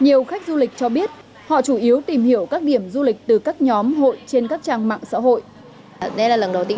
nhiều khách du lịch cho biết họ chủ yếu tìm hiểu các điểm du lịch từ các nhóm hội trên các trang mạng xã hội